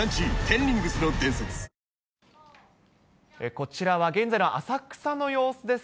こちらは現在の浅草の様子です。